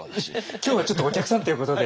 今日はちょっとお客さんということで。